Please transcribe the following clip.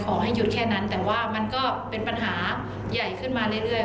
ขอให้หยุดแค่นั้นแต่ว่ามันก็เป็นปัญหาใหญ่ขึ้นมาเรื่อย